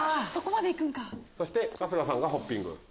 そして春日さんが「ホッピング」。